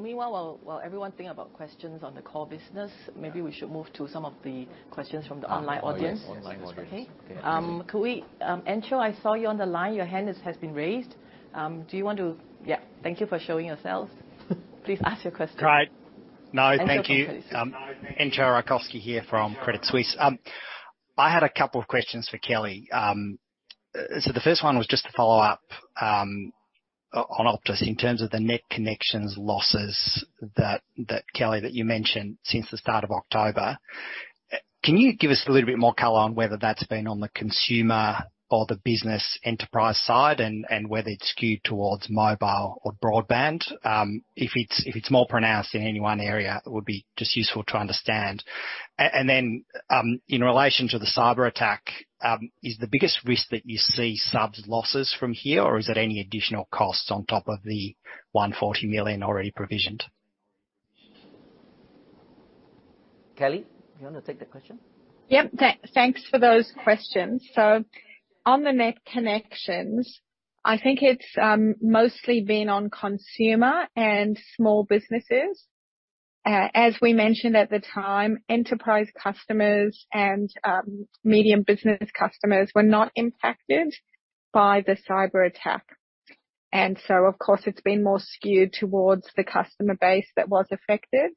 Meanwhile, while everyone think about questions on the core business. Yeah. Maybe we should move to some of the questions from the online audience. Online audience. Online audience. Okay. Entcho, I saw you on the line. Your hand has been raised. Do you want to? Yeah. Thank you for showing yourself. Please ask your question. Great. No, thank you. Entcho, please. Entcho Raykovski here from Credit Suisse. I had a couple of questions for Kelly. The first one was just to follow up on Optus in terms of the net connections losses that Kelly mentioned since the start of October. Can you give us a little bit more color on whether that's been on the consumer or the business enterprise side, and whether it's skewed towards mobile or broadband? If it's more pronounced in any one area, it would be just useful to understand. Then, in relation to the cyberattack, is the biggest risk that you see subs losses from here, or is it any additional costs on top of the 140 million already provisioned? Kelly, you wanna take that question? Thanks for those questions. On the net connections, I think it's mostly been on consumer and small businesses. As we mentioned at the time, enterprise customers and medium business customers were not impacted by the cyberattack. Of course, it's been more skewed towards the customer base that was affected.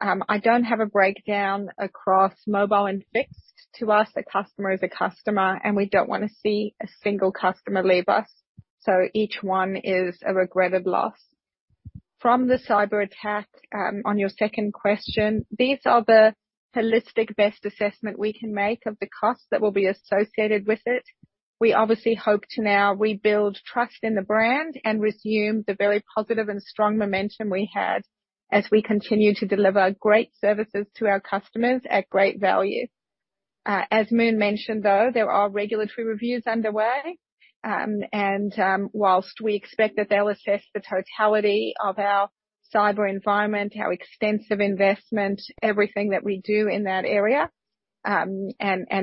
I don't have a breakdown across mobile and fixed. To us, a customer is a customer, and we don't wanna see a single customer leave us. Each one is a regretted loss. From the cyberattack, on your second question, these are the holistic best assessment we can make of the costs that will be associated with it. We obviously hope to now rebuild trust in the brand and resume the very positive and strong momentum we had as we continue to deliver great services to our customers at great value. As Moon mentioned, though, there are regulatory reviews underway. While we expect that they'll assess the totality of our cyber environment, our extensive investment, everything that we do in that area, and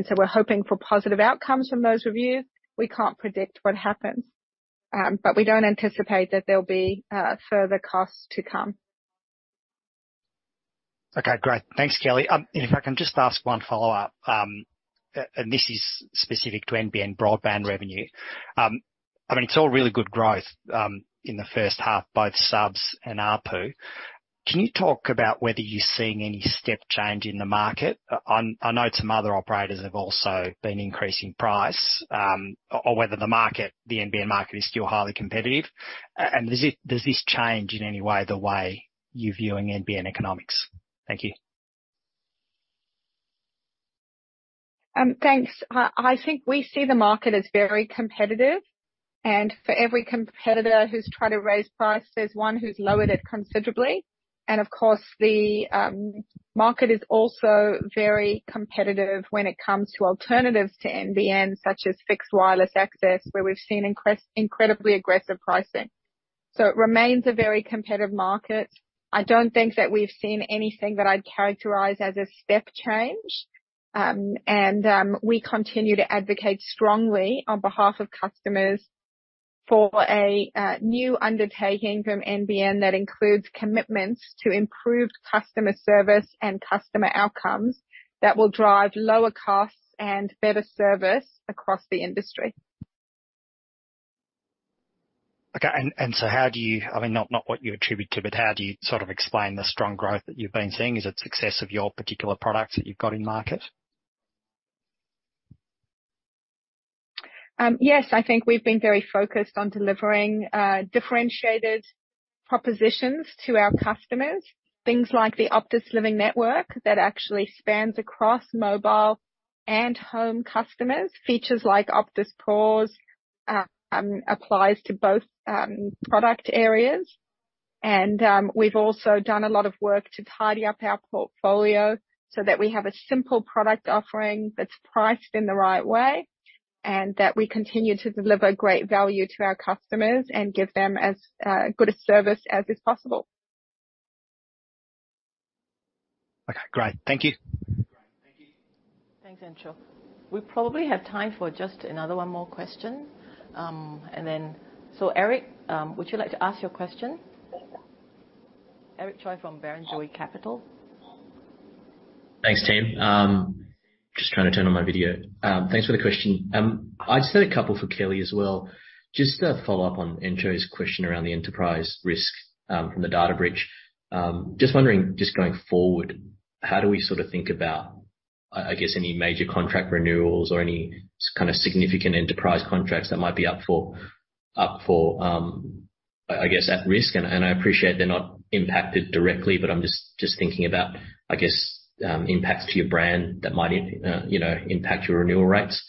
so we're hoping for positive outcomes from those reviews, we can't predict what happens. We don't anticipate that there'll be further costs to come. Okay, great. Thanks, Kelly. And if I can just ask one follow-up, and this is specific to NBN broadband revenue. I mean, it's all really good growth in the first half, both subs and ARPU. Can you talk about whether you're seeing any step change in the market? I know some other operators have also been increasing price, or whether the market, the NBN market is still highly competitive. And does it change in any way the way you're viewing NBN economics? Thank you. Thanks. I think we see the market as very competitive, and for every competitor who's tried to raise price, there's one who's lowered it considerably. Of course, the market is also very competitive when it comes to alternatives to NBN, such as fixed wireless access, where we've seen incredibly aggressive pricing. It remains a very competitive market. I don't think that we've seen anything that I'd characterize as a step change. We continue to advocate strongly on behalf of customers for a new undertaking from NBN that includes commitments to improved customer service and customer outcomes that will drive lower costs and better service across the industry. I mean, not what you attribute to, but how do you sort of explain the strong growth that you've been seeing? Is it success of your particular products that you've got in market? Yes. I think we've been very focused on delivering differentiated propositions to our customers. Things like the Optus Living Network that actually spans across mobile and home customers. Features like Optus Pause applies to both product areas. We've also done a lot of work to tidy up our portfolio so that we have a simple product offering that's priced in the right way, and that we continue to deliver great value to our customers and give them as good a service as is possible. Okay, great. Thank you. Great. Thank you. Thanks, Anshu. We probably have time for just one more question. Eric, would you like to ask your question? Eric Choi from Barrenjoey Capital Partners. Thanks, team. Just trying to turn on my video. Thanks for the question. I just had a couple for Kelly as well. Just to follow up on Anshu's question around the enterprise risk from the data breach. Just wondering, just going forward, how do we sort of think about, I guess any major contract renewals or any sort of significant enterprise contracts that might be up for, I guess at risk. I appreciate they're not impacted directly, but I'm just thinking about, I guess, impacts to your brand that might, you know, impact your renewal rates.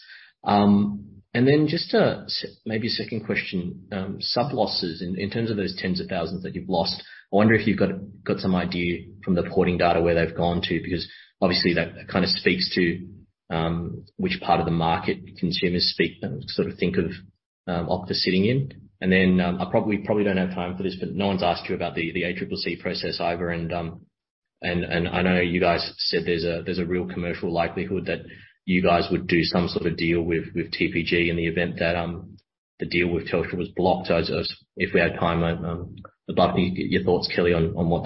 Maybe a second question on sub losses in terms of those tens of thousands that you've lost. I wonder if you've got some idea from the porting data where they've gone to, because obviously that kinda speaks to which part of the market consumers seek, sort of think of Optus sitting in. We probably don't have time for this, but no one's asked you about the ACCC process either. I know you guys said there's a real commercial likelihood that you guys would do some sort of deal with TPG in the event that the deal with Telstra was blocked. So I just. If we had time, I'd love to hear your thoughts, Kelly, on what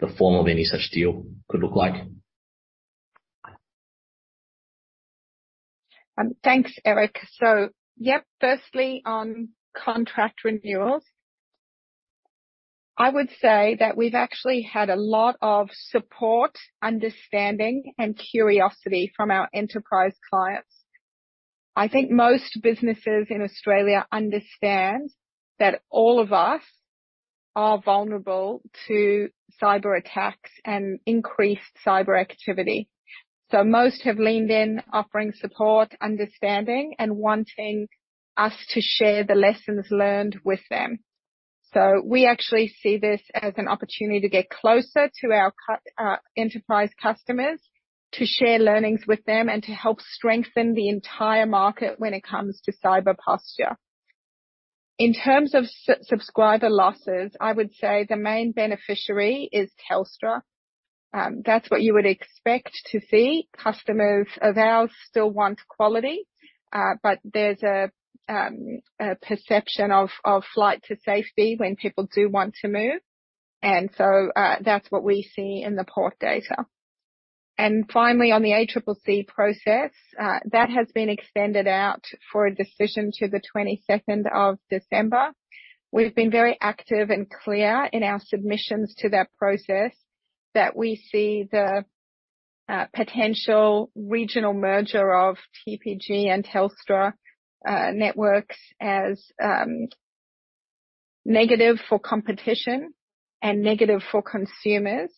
the form of any such deal could look like. Thanks, Eric. Yeah, firstly on contract renewals. I would say that we've actually had a lot of support, understanding, and curiosity from our enterprise clients. I think most businesses in Australia understand that all of us are vulnerable to cyberattacks and increased cyber activity. Most have leaned in offering support, understanding, and wanting us to share the lessons learned with them. We actually see this as an opportunity to get closer to our enterprise customers, to share learnings with them, and to help strengthen the entire market when it comes to cyber posture. In terms of subscriber losses, I would say the main beneficiary is Telstra. That's what you would expect to see. Customers of ours still want quality, but there's a perception of flight to safety when people do want to move. That's what we see in the port data. Finally, on the ACCC process, that has been extended out for a decision to the twenty-second of December. We've been very active and clear in our submissions to that process, that we see the potential regional merger of TPG and Telstra networks as negative for competition and negative for consumers.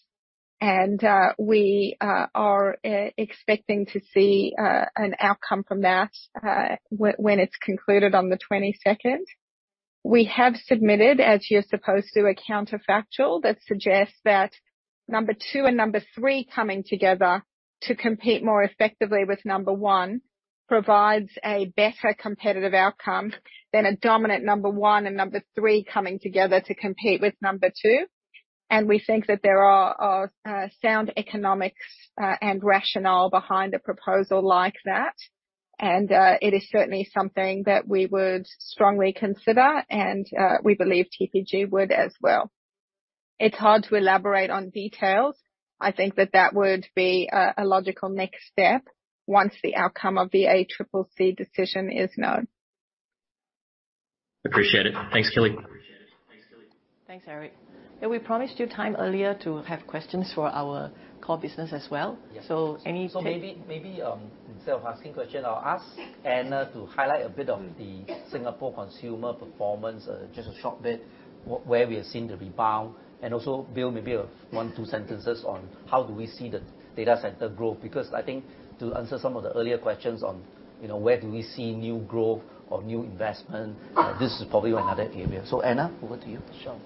We are expecting to see an outcome from that when it's concluded on the twenty-second. We have submitted, as you're supposed to, a counterfactual that suggests that number two and number three coming together to compete more effectively with number one provides a better competitive outcome than a dominant number one and number three coming together to compete with number two. We think that there are sound economics and rationale behind a proposal like that. It is certainly something that we would strongly consider, and we believe TPG would as well. It's hard to elaborate on details. I think that would be a logical next step once the outcome of the ACCC decision is known. Appreciate it. Thanks, Kelly. Thanks, Eric. We promised you time earlier to have questions for our core business as well. Yes. So any- Maybe, instead of asking question, I'll ask Anna to highlight a bit of the Singapore consumer performance, just a short bit, where we have seen the rebound, and also Bill, maybe, one, two sentences on how do we see the data center growth. Because I think to answer some of the earlier questions on, you know, where do we see new growth or new investment, this is probably another area. Anna, over to you. Sure.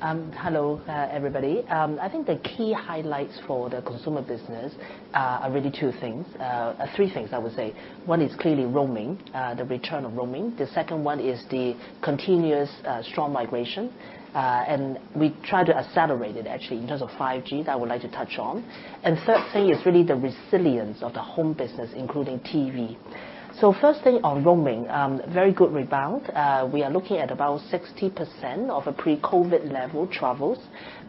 Hello, everybody. I think the key highlights for the consumer business are really two things, three things I would say. One is clearly roaming, the return of roaming. The second one is the continuous strong migration, and we try to accelerate it actually in terms of 5G that I would like to touch on. Third thing is really the resilience of the home business, including TV. First thing on roaming, very good rebound. We are looking at about 60% of a pre-COVID level travels,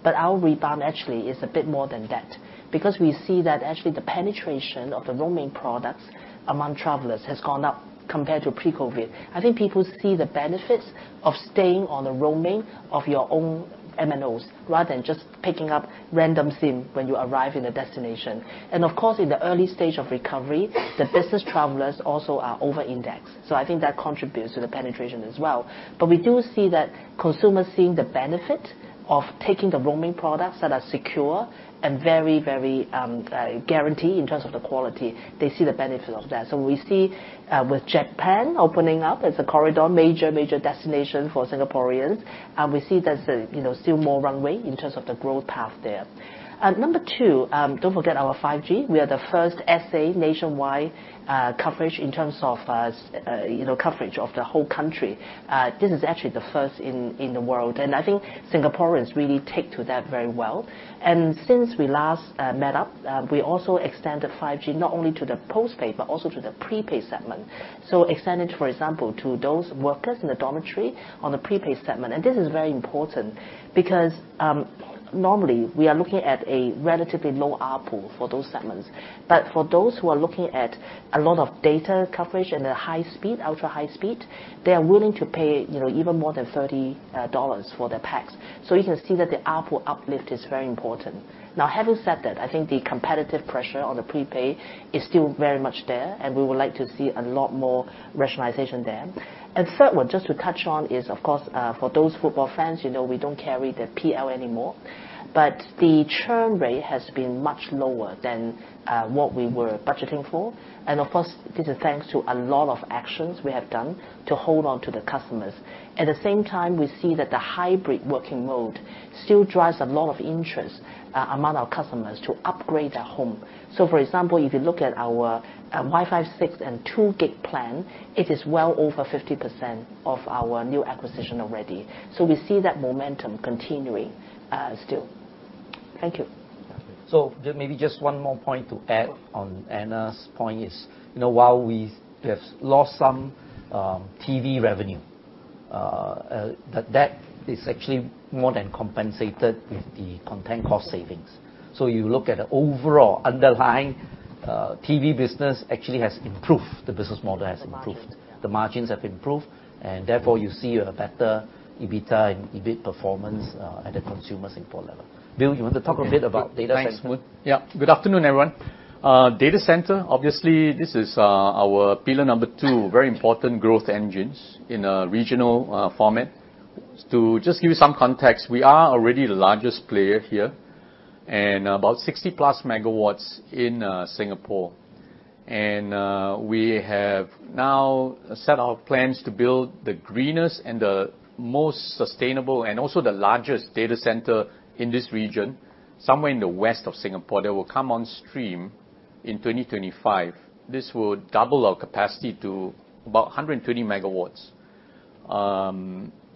but our rebound actually is a bit more than that. Because we see that actually the penetration of the roaming products among travelers has gone up compared to pre-COVID. I think people see the benefits of staying on the roaming of your own MNOs rather than just picking up random SIM when you arrive in a destination. Of course, in the early stage of recovery, the business travelers also are over-indexed, so I think that contributes to the penetration as well. We do see that consumers seeing the benefit of taking the roaming products that are secure and very guarantee in terms of the quality. They see the benefit of that. We see with Japan opening up as a corridor, major destination for Singaporeans, and we see there's, you know, still more runway in terms of the growth path there. Number two, don't forget our 5G. We are the first SA nationwide coverage in terms of, you know, coverage of the whole country. This is actually the first in the world, and I think Singaporeans really take to that very well. Since we last met up, we also extended 5G not only to the postpaid, but also to the prepaid segment. Extended, for example, to those workers in the dormitory on a prepaid segment. This is very important because normally we are looking at a relatively low ARPU for those segments. For those who are looking at a lot of data coverage and the high speed, ultra-high speed, they are willing to pay, you know, even more than 30 dollars for the packs. You can see that the ARPU uplift is very important. Now, having said that, I think the competitive pressure on the prepaid is still very much there, and we would like to see a lot more rationalization there. Third one, just to touch on, is, of course, for those football fans, you know, we don't carry the PL anymore. The churn rate has been much lower than what we were budgeting for. Of course, this is thanks to a lot of actions we have done to hold on to the customers. At the same time, we see that the hybrid working mode still drives a lot of interest among our customers to upgrade their home. For example, if you look at our Wi-Fi 6 and 2 gig plan, it is well over 50% of our new acquisition already. We see that momentum continuing still. Thank you. Maybe just one more point to add on Anna's point is, you know, while we have lost some TV revenue, but that is actually more than compensated with the content cost savings. You look at the overall underlying TV business actually has improved, the business model has improved. The margins, yeah. The margins have improved, and therefore, you see a better EBITDA and EBIT performance at the consumer Singapore level. Bill, you want to talk a bit about data center? Thanks. Yeah. Good afternoon, everyone. Data center, obviously this is our pillar number two, very important growth engines in a regional format. To just give you some context, we are already the largest player here and about 60+ megawatts in Singapore. We have now set our plans to build the greenest and the most sustainable and also the largest data center in this region, somewhere in the west of Singapore. That will come on stream in 2025. This will double our capacity to about 120 megawatts.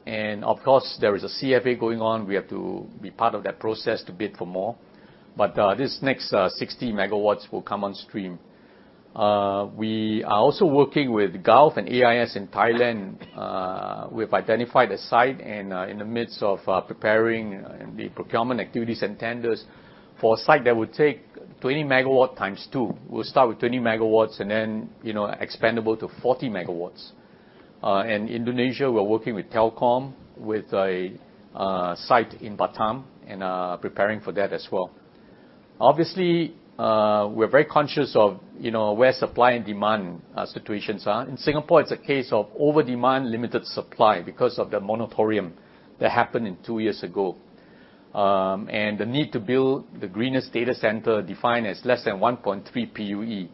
Of course, there is an RFP going on. We have to be part of that process to bid for more. This next 60 megawatts will come on stream. We are also working with Gulf and AIS in Thailand. We've identified a site and in the midst of preparing the procurement activities and tenders for a site that would take 20 megawatts times two. We'll start with 20 megawatts and then, you know, expandable to 40 megawatts. In Indonesia, we're working with Telkom with a site in Batam and preparing for that as well. Obviously, we're very conscious of, you know, where supply and demand situations are. In Singapore, it's a case of over-demand, limited supply because of the moratorium that happened two years ago. The need to build the greenest data center defined as less than 1.3 PUE.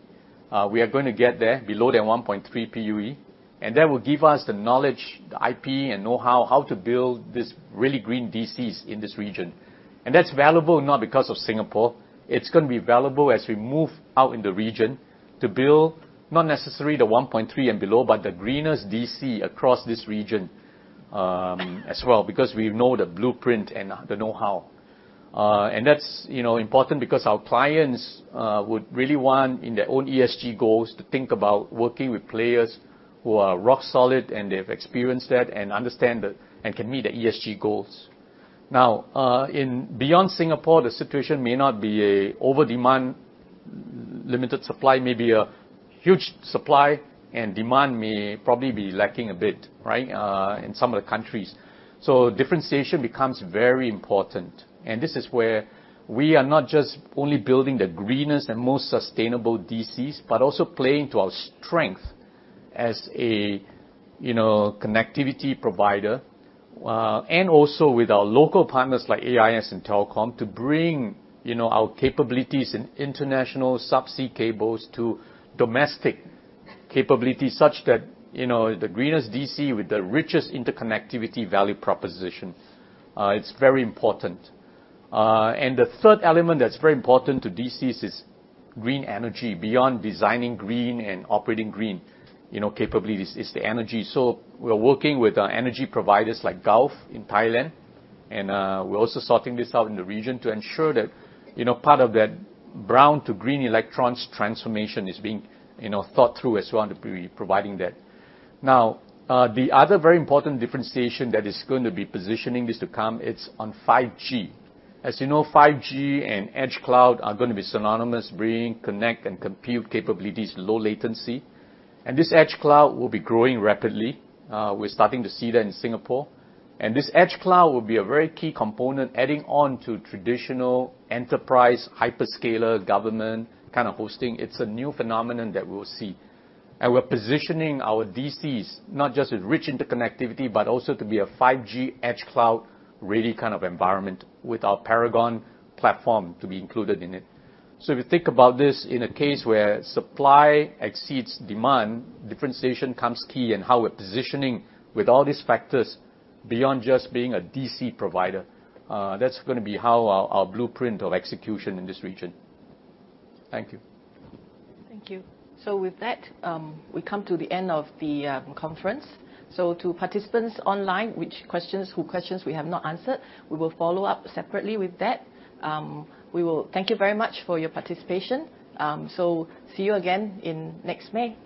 We are gonna get there, below the 1.3 PUE, and that will give us the knowledge, the IP and knowhow, how to build this really green DCs in this region. That's valuable not because of Singapore. It's gonna be valuable as we move out in the region to build not necessarily the 1.3 and below, but the greenest DC across this region, as well, because we know the blueprint and the know-how. That's, you know, important because our clients would really want in their own ESG goals to think about working with players who are rock solid, and they've experienced that and understand it and can meet the ESG goals. Now, beyond Singapore, the situation may not be over-demand, limited supply, maybe a huge supply, and demand may probably be lacking a bit, right? In some of the countries. Differentiation becomes very important, and this is where we are not just only building the greenest and most sustainable DCs, but also playing to our strength as a, you know, connectivity provider, and also with our local partners like AIS and Telkom to bring, you know, our capabilities in international subsea cables to domestic capabilities such that, you know, the greenest DC with the richest interconnectivity value proposition. It's very important. The third element that's very important to DCs is green energy. Beyond designing green and operating green, you know, capabilities is the energy. We're working with our energy providers like Gulf in Thailand, and, we're also sorting this out in the region to ensure that, you know, part of that brown to green electrons transformation is being, you know, thought through as well and be providing that. Now, the other very important differentiation that is going to be positioning this to come, it's on 5G. As you know, 5G and edge cloud are going to be synonymous, bringing connect and compute capabilities, low latency, and this edge cloud will be growing rapidly. We're starting to see that in Singapore, and this edge cloud will be a very key component adding on to traditional enterprise hyperscaler government kind of hosting. It's a new phenomenon that we'll see. We're positioning our DCs not just with rich interconnectivity, but also to be a 5G edge cloud, really kind of environment with our Paragon platform to be included in it. If you think about this in a case where supply exceeds demand, differentiation comes key in how we're positioning with all these factors beyond just being a DC provider. That's going to be how our blueprint of execution in this region. Thank you. Thank you. With that, we come to the end of the conference. To participants online whose questions we have not answered, we will follow up separately with that. We will thank you very much for your participation. See you again in next May.